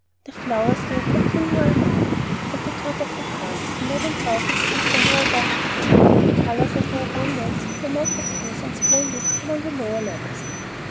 The flowers were a continual marvel. At the top of the pass, eleven thousand feet and more above the sea, their colors and their abundance were more profuse and splendid than on the lower levels.